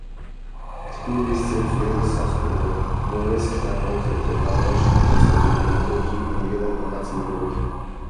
თბილისს ეწვია და სასტუმრო „ნოეს“ საკონცერტო დარბაზში მოწყობილ კონცერტში მიიღო მონაწილეობა.